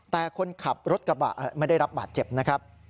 แต่คนขับรถกระบะไม่ได้รับบาดเจ็บนะครับ